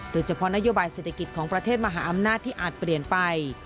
โดยเฉพาะนโยบายเศรษฐกิจของประเทศมหาอำนาจที่อาจเปลี่ยนไป